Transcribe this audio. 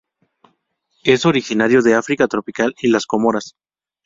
Es originario de África tropical y las Comoras.